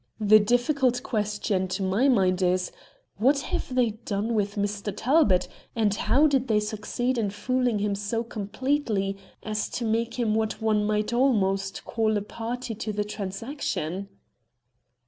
The difficult question to my mind is, what have they done with Mr. Talbot, and how did they succeed in fooling him so completely as to make him what one might almost call a party to the transaction?"